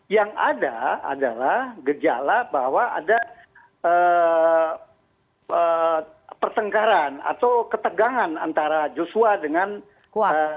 yang ada adalah gejala bahwa ada pertengkaran atau ketegangan antara joshua dengan